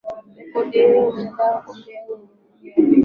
redio ya mtandaoni inahitaji kompyuta yenye nguvu ya kutosha